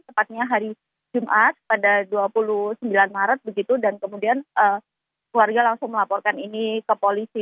tepatnya hari jumat pada dua puluh sembilan maret begitu dan kemudian keluarga langsung melaporkan ini ke polisi